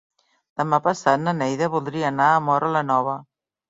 Demà passat na Neida voldria anar a Móra la Nova.